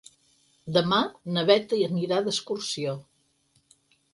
Demà na Bet anirà d'excursió.